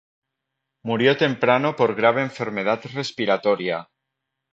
Murió temprano por grave enfermedad respiratoria.